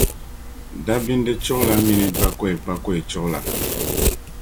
Dabindi Chuɣu la minii bakɔibakɔi chuɣu la.